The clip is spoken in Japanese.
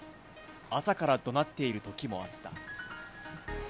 朝からどなっているときもあった。